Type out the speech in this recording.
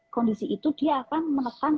kondisi itu dia akan menekan